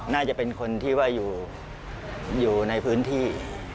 น่าจะเป็นคนที่ว่าอยู่ในพื้นที่